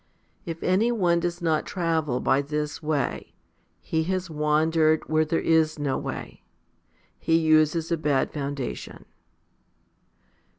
If any one does not travel by this way, he has wandered where there is no way; he uses a bad foundation.